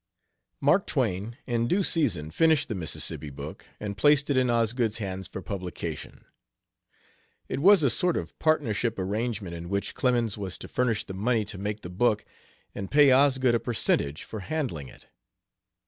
Mark Twain, in due season, finished the Mississippi book and placed it in Osgood's hands for publication. It was a sort of partnership arrangement in which Clemens was to furnish the money to make the book, and pay Osgood a percentage for handling it.